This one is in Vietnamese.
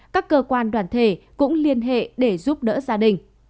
các cơ quan đoàn thể cũng liên hệ để giúp đỡ gia đình